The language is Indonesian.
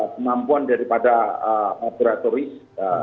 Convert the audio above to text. kemampuan daripada operatoris